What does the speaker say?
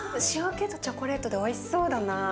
塩気とチョコレートでおいしそうだな。